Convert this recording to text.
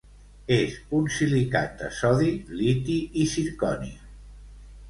És un silicat de sodi, liti i zirconi.